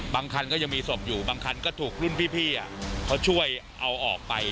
บางคันก็ยังมีศพอยู่บางคันก็ถูกรุ่นพี่เขาช่วยเอาออกไป